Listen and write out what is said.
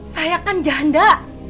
saya kan janda